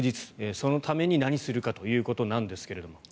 そのために何するかということなんですけれども。